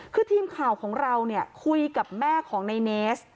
คือทีมข่าวของเราเนี่ยคุยกับแม่ของในเนส